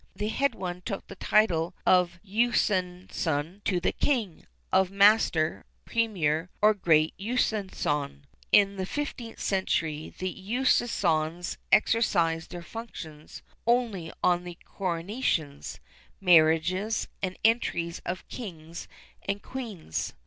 The head one took the title of Echanson to the king, of master, premier, or great échanson. In the 15th century the échansons exercised their functions only on the coronations, marriages, and entries of kings and queens.